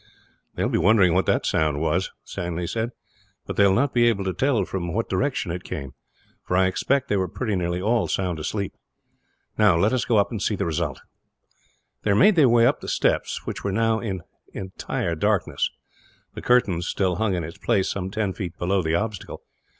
"They will be wondering what the sound is," Stanley said, "but they will not be able to tell from what direction it came; for I expect they were pretty nearly all sound asleep. Now, let us go up and see the result." They made their way up the steps, which were now in entire darkness. The curtain still hung in its place, some ten feet below the obstacle.